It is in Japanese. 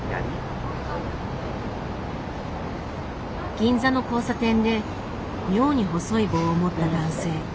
銀座の交差点で妙に細い棒を持った男性。